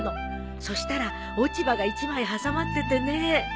そしたら落ち葉が１枚挟まっててね。